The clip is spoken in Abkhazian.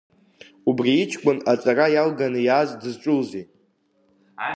Убри иҷкәын аҵара иалганы иааз дызҿузеи?